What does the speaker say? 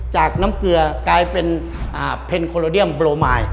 จากน้ำเกลือกลายเป็นเพนโคโลเดียมโลมาย